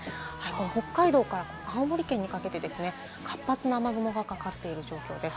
北海道から青森県にかけて活発な雨雲がかかっている状況です。